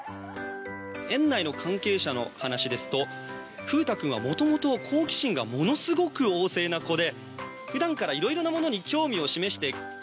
園内の関係者の話ですと風太君は元々好奇心がものすごく旺盛な子で普段から色々なものに興味を示して。